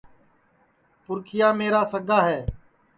پُرکھِِیا میرا سگا ہے